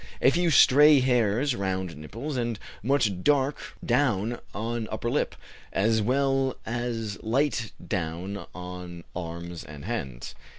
A few stray hairs round nipples, and much dark down on upper lip, as well as light down on arms and hands.